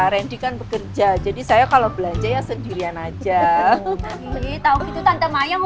rendikan bekerja jadi saya kalau belanja ya sendirian aja tapi sayangnya bu mayang